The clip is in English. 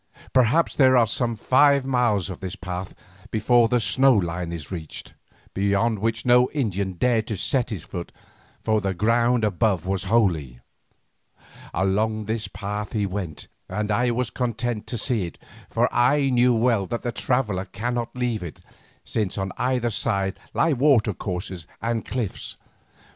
Perhaps there are some five miles of this path before the snow line is reached, beyond which no Indian dared to set his foot, for the ground above was holy. Along this path he went, and I was content to see it, for I knew well that the traveller cannot leave it, since on either side lie water courses and cliffs.